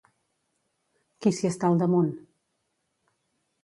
Qui s'hi està al damunt?